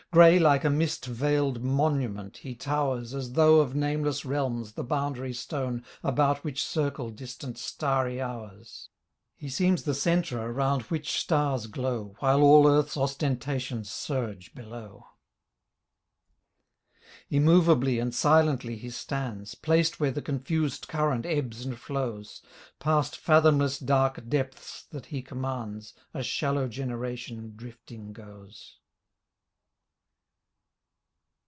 Gray like a mist veiled monument he towers As though of nameless realms the boundary stone About which circle distant starry hours. He seems the center around which stars glow While all earth's ostentations surge below. Immovably and silently he stands Placed where the confused current ebbs and flows ; Past fathomless dark depths that he commands A shallow generation drifting goes